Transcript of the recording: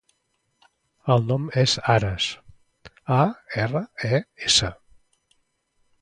El nom és Ares: a, erra, e, essa.